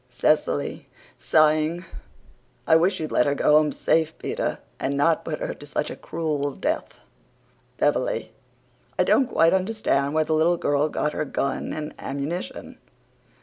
CECILY, SIGHING: "I wish you'd let her go home safe, Peter, and not put her to such a cruel death." BEVERLEY: "I don't quite understand where the little girl got her gun and ammunition."